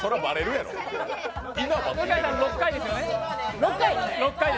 向井さん６回ですよ。